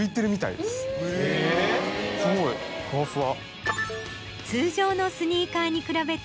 すごいふわふわ。